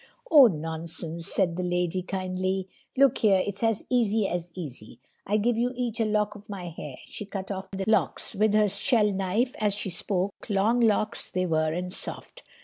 "Oh, nonsense," said the lady kindly. "Look here, it's as easy as easy. I give you each a lock of my hair," she cut off the locks with her shell knife as she spoke, long locks they were and soft.